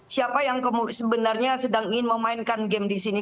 siapa yang sebenarnya sedang ingin memainkan game di sini